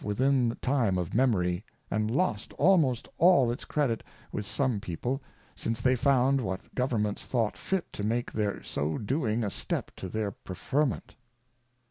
within time of Mfiniflxy,^ „and lost almost all its Credit with some People, since they found what Governments thought fit to make their so doing a step to their preferment.